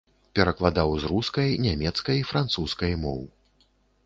Перакладаў з рускай, нямецкай, французскай моў.